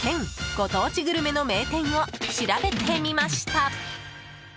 ご当地グルメの名店を調べてみました。